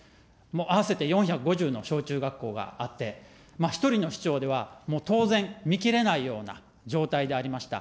合わせて４５０の小中学校があって、１人の市長では、もう当然、見きれないような状態でありました。